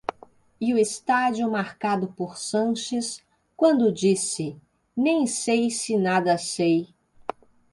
e o estádio marcado por Sanches, quando disse «nem sei se nada sei».